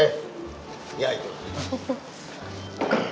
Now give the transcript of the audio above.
eh ya itu